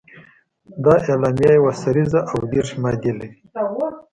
دا اعلامیه یوه سريزه او دېرش مادې لري.